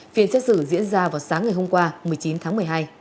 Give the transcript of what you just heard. phiên xét xử diễn ra vào sáng ngày hôm qua một mươi chín tháng một mươi hai